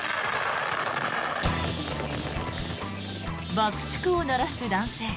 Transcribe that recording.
爆竹を鳴らす男性。